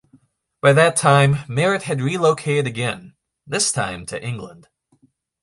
By that time, Merritt had relocated again - this time to England.